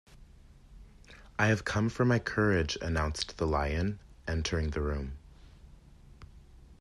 "I have come for my courage," announced the Lion, entering the room.